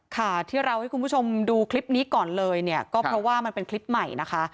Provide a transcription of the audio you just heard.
ค่ะที่เราให้คุณผู้ชมดูคลิปนี้ก่อนเลยเนี่ยก็เพราะว่ามันเป็นคลิปใหม่นะคะ